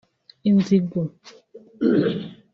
Inzigo